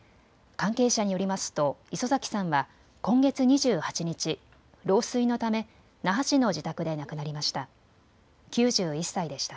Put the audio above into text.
関係者によりますと磯崎さんは今月２８日、老衰のため那覇市の自宅で亡くなりました。